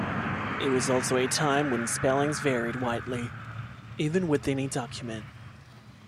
It was also a time when spellings varied widely, even within a document.